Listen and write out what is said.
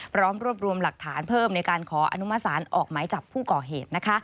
พร้อมรวบรวมหลักฐานเพิ่มในการขออนุมสารออกหมายจับผู้ก่อเหตุ